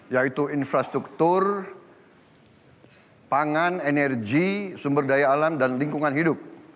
yaitu infrastruktur pangan energi sumber daya alam dan lingkungan hidup